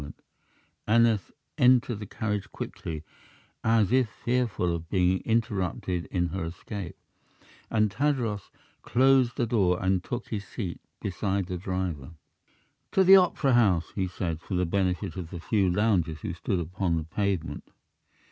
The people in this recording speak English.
Aneth entered the carriage quickly, as if fearful of being interrupted in her escape, and Tadros closed the door and took his seat beside the driver. "To the opera house," he said, for the benefit of the few loungers who stood upon the pavement.